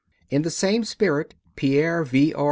In the same spirit Pierre V.